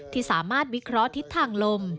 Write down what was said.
ที่สามารถวิเคราะห์ทิศทางลม